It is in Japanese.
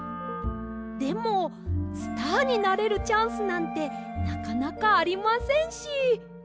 でもスターになれるチャンスなんてなかなかありませんし。